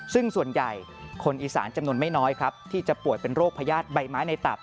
ซึ่งส่วนใหญ่คนอีสานจำนวนไม่น้อยครับที่จะป่วยเป็นโรคพญาติใบไม้ในตับ